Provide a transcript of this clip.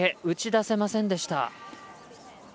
打ち出せませんでした。